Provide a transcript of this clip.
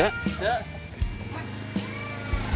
eh cek cek